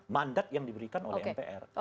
mandat yang diberikan oleh mpr